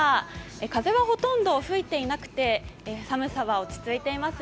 風はほとんど吹いていなくて寒さは落ち着いています。